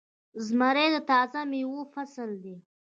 زمری د تازه میوو فصل دی.